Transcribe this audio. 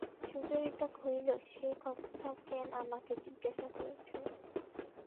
সুচরিতা কহিল, সে কথা কেন আমাকে জিজ্ঞাসা করছেন?